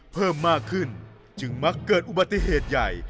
เพิ่มมากขึ้นจึงมักเกิดอุบัติเหตุใหญ่